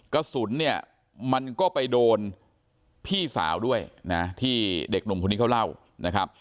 กระสุนมันก็ไปโดนพี่สาวด้วยที่เด็กหนุ่มคุณิเขาเล่า